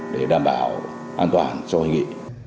để đảm bảo an toàn cho hội nghị